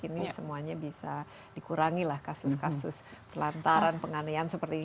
ini semuanya bisa dikurangi lah kasus kasus kelantaran penganeian seperti ini